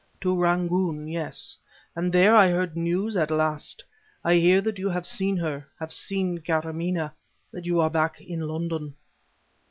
"To Rangoon yes; and there I heard news at last. I hear that you have seen her have seen Karamaneh that you are back in London."